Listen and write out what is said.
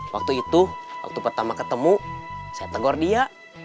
waktu itu waktu pertama ketemu saya tegur dia